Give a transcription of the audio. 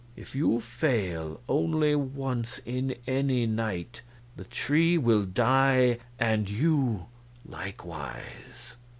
If you fail only once in any night, the tree will die, and you likewise.